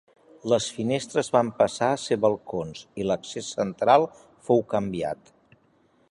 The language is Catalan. Les finestres van passar a ser balcons i l'accés central fou canviat.